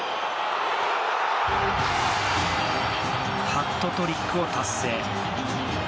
ハットトリックを達成！